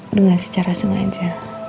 dengan secara sengaja